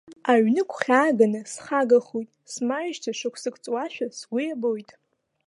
Аҩны гәхьааганы схагахоит, смааижьҭеи шықәсык ҵуашәа сгәы иабоит.